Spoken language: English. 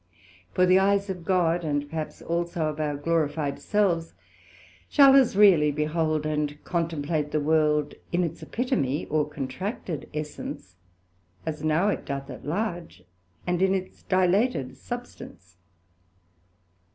For the eyes of God, and perhaps also of our glorified selves, shall as really behold and contemplate the World in its Epitome or contracted essence, as now it doth at large and in its dilated substance.